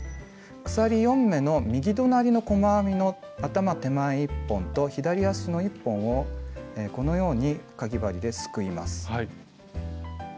鎖４目の右隣の細編みの頭手前１本と左足の１本をこのようにかぎ針ですくいます。